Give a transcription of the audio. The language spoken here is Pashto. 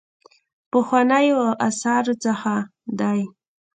پخوانیو آثارو څخه دی.